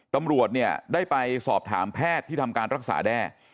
ตำรวจเนี่ยได้ไปสอบถามแพทย์ที่ทำการรักษาแด้